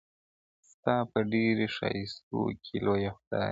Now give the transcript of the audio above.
• ستا په ډېرو ښایستو کي لویه خدایه..